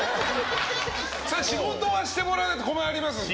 仕事はしてもらわないと困りますね。